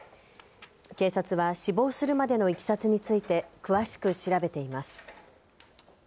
警察は死亡するまでのいきさつについて詳しく調べています。